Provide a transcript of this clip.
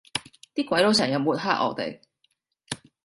啲鬼佬成日抹黑我哋